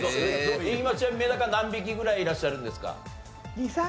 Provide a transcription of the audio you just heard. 今ちなみにメダカ何匹ぐらいいらっしゃるんですか？